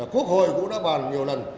quốc hội cũng đã bàn nhiều lần